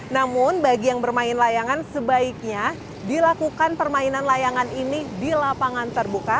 namun bagi yang bermain layangan sebaiknya dilakukan permainan layangan ini di lapangan terbuka